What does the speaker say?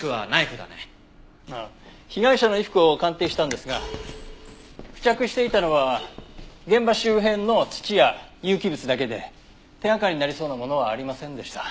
被害者の衣服を鑑定したんですが付着していたのは現場周辺の土や有機物だけで手掛かりになりそうなものはありませんでした。